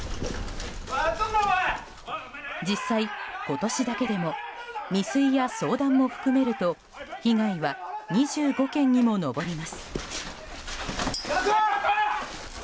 実際、今年だけでも未遂や相談も含めると被害は２５件にも上ります。